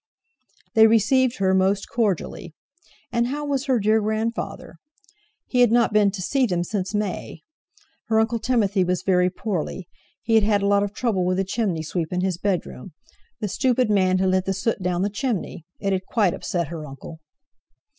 They received her most cordially: And how was her dear grandfather? He had not been to see them since May. Her Uncle Timothy was very poorly, he had had a lot of trouble with the chimney sweep in his bedroom; the stupid man had let the soot down the chimney! It had quite upset her uncle.